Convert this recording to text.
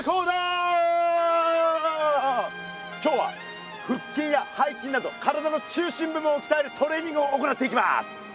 今日はふっきんやはいきんなど体の中心部分をきたえるトレーニングを行っていきます。